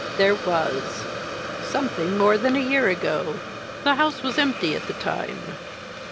"There was. Something more than a year ago. The house was empty at the time.